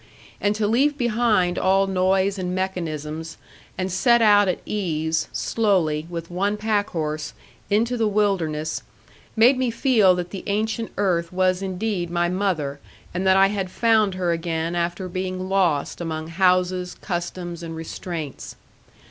And to leave behind all noise and mechanisms, and set out at ease, slowly, with one packhorse, into the wilderness, made me feel that the ancient earth was indeed my mother and that I had found her again after being lost among houses, customs, and restraints.